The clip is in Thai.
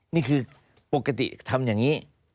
นี่คือปกติทำอย่างนี้